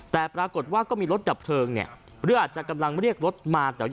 แต่ปรากฏว่าก็มีรถดับเพลิงเนี่ยหรืออาจจะกำลังเรียกรถมา